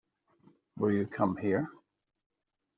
Will you come here?